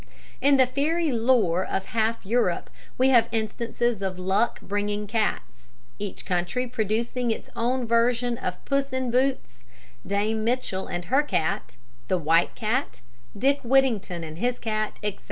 In the fairy lore of half Europe we have instances of luck bringing cats each country producing its own version of Puss in Boots, Dame Mitchell and her cat, the White Cat, Dick Whittington and his cat, etc.